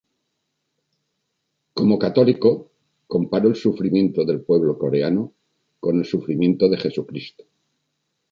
Como católico, comparó el sufrimiento del pueblo coreano con el sufrimiento de Jesucristo.